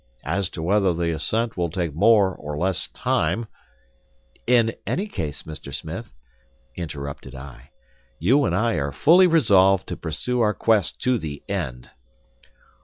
As to whether the ascent will take more or less time—" "In any case, Mr. Smith," interrupted I, "you and I are fully resolved to pursue our quest to the end."